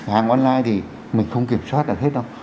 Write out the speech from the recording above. hàng online thì mình không kiểm soát được hết đâu